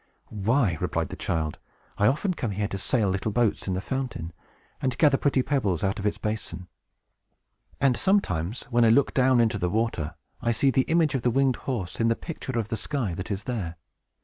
"Why," replied the child, "I often come here to sail little boats in the fountain, and to gather pretty pebbles out of its basin. And sometimes, when I look down into the water, I see the image of the winged horse, in the picture of the sky that is there.